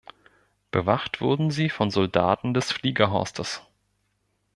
Bewacht wurden sie von Soldaten des Fliegerhorstes.